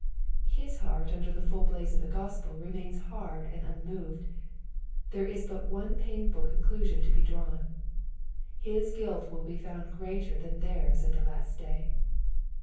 '' His heart under the full blaze of the Gospel re main* hard and unmoved.— There is but one pamfal conclusion to be drawn. His guilt will be found greatei than their's at the last day.